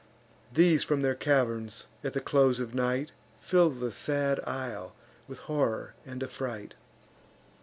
These from their caverns, at the close of night, Fill the sad isle with horror and affright.